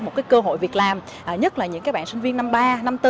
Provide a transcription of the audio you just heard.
một cái cơ hội việc làm nhất là những bạn sinh viên năm ba năm bốn